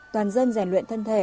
toàn dân rèn luyện thân thể